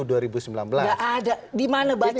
tidak ada di mana baca